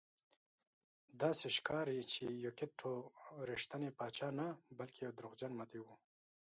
داسې ښکاري چې یوکیت ټو رښتینی پاچا نه بلکې دروغجن مدعي و.